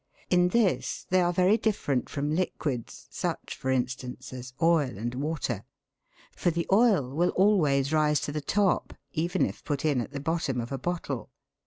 In this they are very different from liquids, such, for instance, as oil and water ; for the oil will always rise to the top even if put in at the bottom of a bottle.